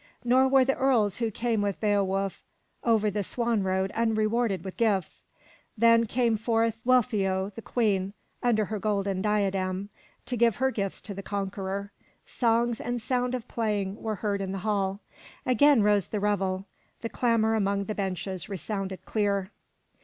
Nor were the earls who came with Beowulf over the swan road unrewarded with gifts. Then came forth Wealtheow, the Queen, under her golden diadem, to give her gifts to the conqueror. Songs and sound of playing were heard in the hall. Again rose the revel, the clamor along the benches resounded clear.